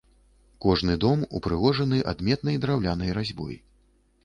Кожны дом упрыгожаны адметнай драўлянай разьбой.